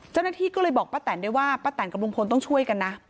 เจ้าหน้าที่ก็เลยบอกป้าแตนได้ว่าป้าแตนกับลุงพลต้องช่วยกันนะ